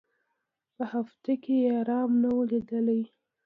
په هفتو کي یې آرام نه وو لیدلی